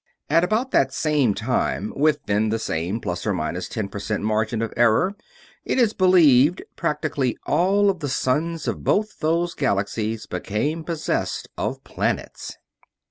At about that same time within the same plus or minus ten percent margin of error, it is believed practically all of the suns of both those galaxies became possessed of planets.